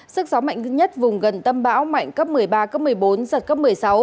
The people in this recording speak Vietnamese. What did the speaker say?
sức gió mạnh nhất vùng gần tâm bão mạnh cấp một mươi ba cấp một mươi bốn giật cấp một mươi sáu